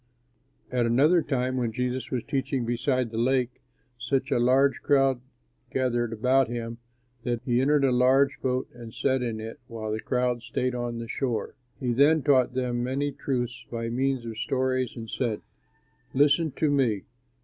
At another time when Jesus was teaching beside the lake, such a large crowd gathered about him that he entered a boat and sat in it, while the crowd stayed on the shore. He then taught them many truths by means of stories, and said, "Listen to me.